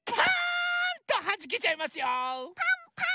パンパーン！